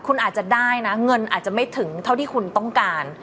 คุณอาจจะได้นะเงินอาจจะไม่ถึงเท่าที่คุณต้องการ